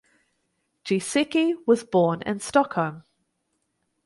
Giesecke was born in Stockholm.